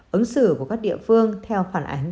ứng xử của các địa phương theo phản ánh